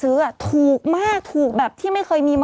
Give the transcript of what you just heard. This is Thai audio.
ศูนย์อุตุนิยมวิทยาภาคใต้ฝั่งตะวันอ่อค่ะ